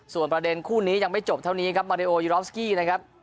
ส่วนประเด็นคู่นี้ยังไม่จบเท่านี้ครับมาริโอยูรอฟสกี้นะครับ